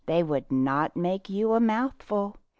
They would not make you a mouthful.